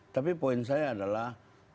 tapi poin saya adalah